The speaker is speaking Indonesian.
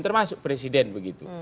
termasuk presiden begitu